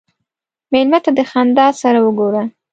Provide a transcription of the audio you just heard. مېلمه ته د خندا سره وګوره.